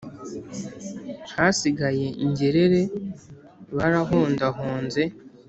Hasigaye ngerere Barahondahonze